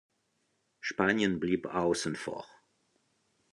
Spanien blieb außen vor.